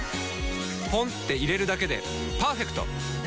ポンって入れるだけでパーフェクト！